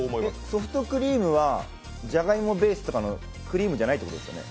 ソフトクリームはじゃがいもベースとかのクリームじゃないということでよね？